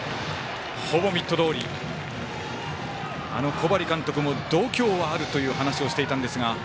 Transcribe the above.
小針監督も、度胸はあると話をしていたんですが。